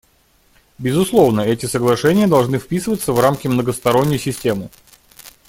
Безусловно, эти соглашения должны вписываться в рамки многосторонней системы.